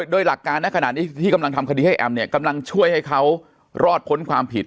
โดยหลักการณขณะนี้ที่กำลังทำคดีให้แอมเนี่ยกำลังช่วยให้เขารอดพ้นความผิด